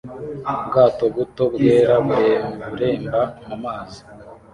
Ubwato buto bwera bureremba mumazi